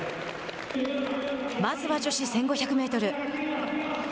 まずは女子１５００メートル。